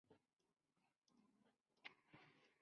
Localidad Rafael Uribe Uribe